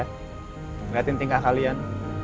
ngeliatin tingkah kalian